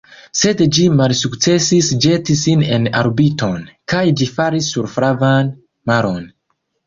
Sed ĝi malsukcesis ĵeti sin en orbiton, kaj ĝi falis sur Flavan Maron.